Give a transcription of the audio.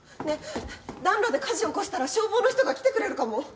ねえ暖炉で火事起こしたら消防の人が来てくれるかも。